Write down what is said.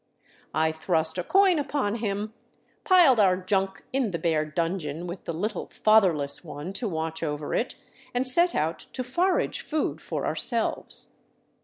I thrust a coin upon him, piled our junk in the bare dungeon with the little fatherless one to watch over it, and set out to forage food for ourselves.